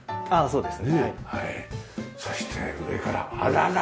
そうです。